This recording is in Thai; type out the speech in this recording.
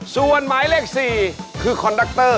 ส่วนหมายเลข๔คือคอนดักเตอร์